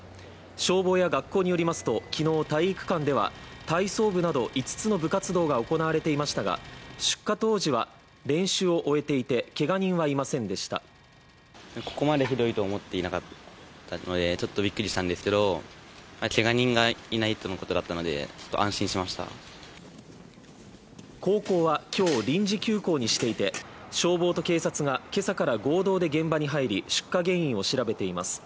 消防や学校によりますと昨日体育館では体操部など５つの部活動が行われていましたが出火当時は練習を終えていてけが人はいませんでした高校はきょう臨時休校にしていて消防と警察が今朝から合同で現場に入り出火原因を調べています